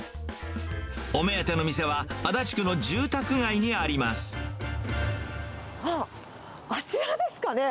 お目当ての店は、足立区の住宅街あっ、あちらですかね？